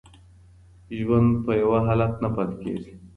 ژوند په یوه حالت نه پاتې کیږي.